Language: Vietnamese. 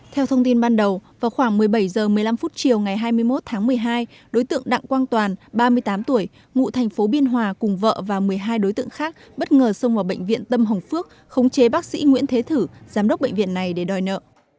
theo thông tin ban đầu vào khoảng một mươi bảy h một mươi năm chiều ngày hai mươi một tháng một mươi hai đối tượng đặng quang toàn ba mươi tám tuổi ngụ thành phố biên hòa cùng vợ và một mươi hai đối tượng khác bất ngờ xông vào bệnh viện tâm hồng phước khống chế bác sĩ nguyễn thế thử giám đốc bệnh viện này để đòi nợ